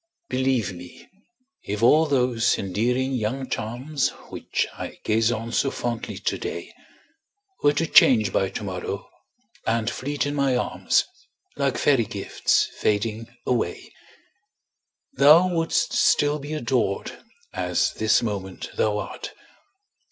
Believe me, if all those endearing young charms, Which I gaze on so fondly today, Were to change by to morrow, and fleet in my arms, Like fairy gifts fading away, Thou wouldst still be adored, as this moment thou art.